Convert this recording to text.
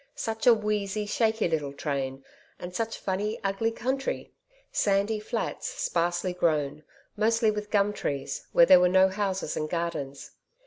Such a wheezy, shaky little train, and such funny, ugly country! Sandy flats sparsely grown, mostly with gum trees, where there were no houses and gardens.